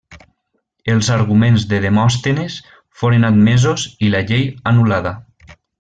Els arguments de Demòstenes foren admesos i la llei anul·lada.